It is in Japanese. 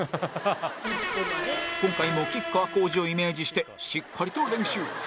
今回も吉川晃司をイメージしてしっかりと練習